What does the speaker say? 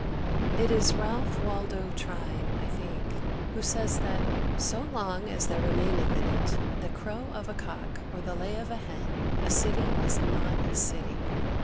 It is Ralph Waldo Trine, I think, who says that "So long as there remaineth in it the crow of a cock or the lay of a hen a city is not a city."